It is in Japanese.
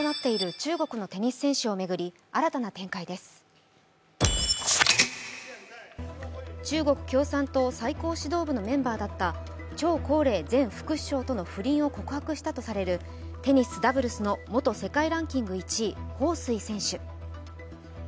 中国共産党最高指導部のメンバーだった張高麗元副首相との不倫を告白したとされるテニスダブルスの元世界ランク１位彭帥選手。